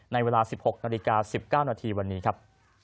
ในเวลาสิบหกนาฬิกาสิบเก้านาทีวันนี้ครับ